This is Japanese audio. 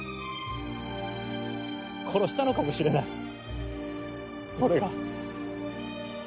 殺したのかもしれない俺が。